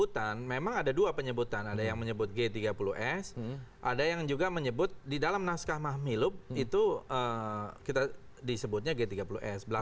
karena tidak mungkin dikasih pahlawan